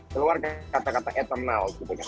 keluar kata kata eternal gitu kan